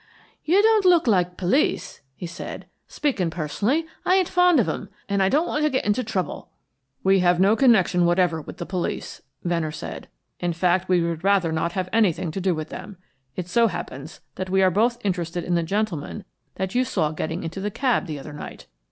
"You don't look like police," he said. "Speaking personally, I ain't fond of 'em, and I don't want to get into trouble." "We have no connection whatever with the police," Venner said. "In fact, we would rather not have anything to do with them. It so happens that we are both interested in the gentleman that you saw getting into the cab the other night.